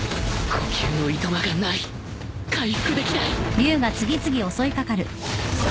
呼吸のいとまがない回復できない